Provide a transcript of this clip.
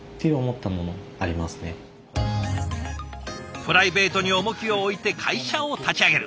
プライベートに重きを置いて会社を立ち上げる。